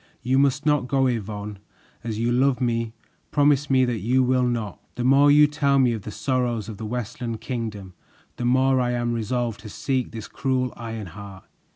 You must not go, Yvonne; as you love me, promise me that you will not." "The more you tell me of the sorrows of the Westland Kingdom, the more I am resolved to seek this cruel Ironheart.